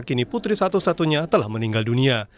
kini putri satu satunya telah meninggal dunia